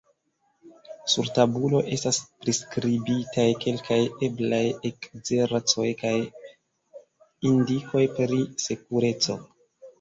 Sur tabulo estas priskribitaj kelkaj eblaj ekzercoj kaj indikoj pri sekureco.